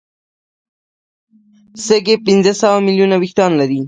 سږي پنځه سوه ملیونه وېښتان لري.